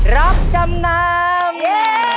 รับจำนำ